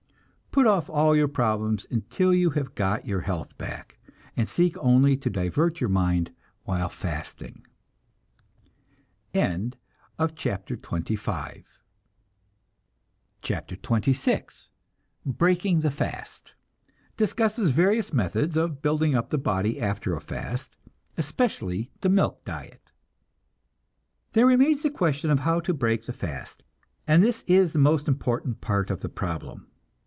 Put off all your problems until you have got your health back, and seek only to divert your mind while fasting. CHAPTER XXVI BREAKING THE FAST (Discusses various methods of building up the body after a fast, especially the milk diet.) There remains the question of how to break the fast, and this is the most important part of the problem.